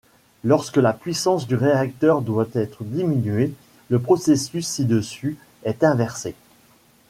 Lorsque la puissance du réacteur doit être diminuée, le processus ci-dessus est inversé.